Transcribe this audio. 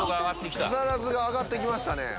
木更津が上がって来ましたね。